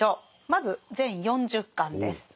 まず全４０巻です。